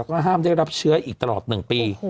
ก็ห้ามได้รับเชื้ออีกตลอด๑ปี